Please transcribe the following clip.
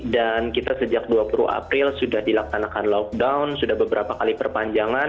dan kita sejak dua puluh april sudah dilaksanakan lockdown sudah beberapa kali perpanjangan